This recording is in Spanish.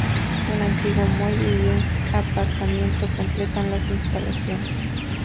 Un antiguo muelle carga y un aparcamiento completan las instalaciones.